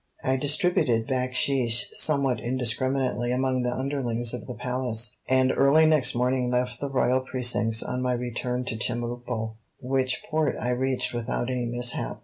I distributed backsheesh somewhat indiscriminately among the underlings of the Palace, and early next morning left the royal precincts on my return to Chemulpo, which port I reached without any mishap.